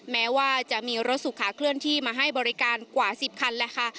แม้ว่าจะมีรถสุขาเคลื่อนที่มาให้บริการกว่า๑๐คันแหละค่ะ